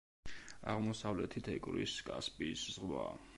აღმოსავლეთით ეკვრის კასპიის ზღვა.